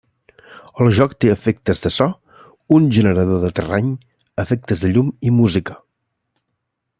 El joc té efectes de so, un generador de terreny, efectes de llum i música.